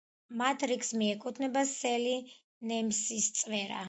მათ რიგს მიეკუთვნება სელი, ნემსიწვერა.